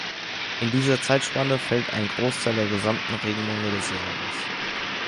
In dieser Zeitspanne fällt ein Großteil der gesamten Regenmenge des Jahres.